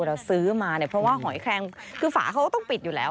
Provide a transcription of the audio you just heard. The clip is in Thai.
เราซื้อมาเนี่ยเพราะว่าหอยแคลงคือฝาเขาก็ต้องปิดอยู่แล้ว